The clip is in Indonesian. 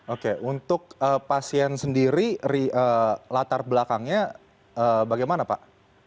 oke untuk pasien sendiri latar belakangnya bagaimana pak